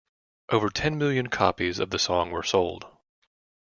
Over ten million copies of the song were sold.